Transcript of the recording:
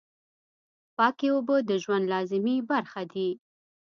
پاکې اوبه د ژوند لازمي برخه دي.